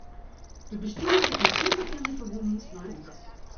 De bestjoerder is mei ûnbekende ferwûnings nei it sikehús brocht.